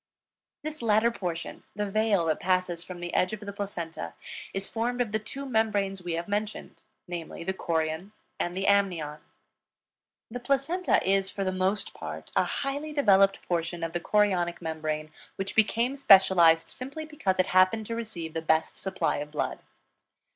This latter portion, the veil that passes from the edge of the placenta, is formed of the two membranes we have mentioned, namely, the chorion and the amnion. The placenta is, for the most part, a highly developed portion of the chorionic membrane, which became specialized simply because it happened to receive the best supply of blood.